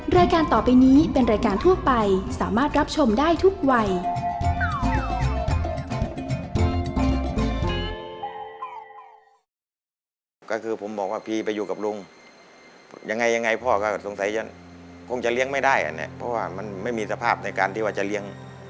รายการต่อไปนี้เป็นรายการทั่วไปสามารถรับชมได้ทุกวัย